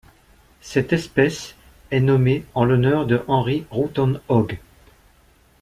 Cette espèce est nommée en l'honneur de Henry Roughton Hogg.